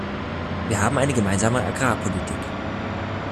Wir haben eine Gemeinsame Agrarpolitik.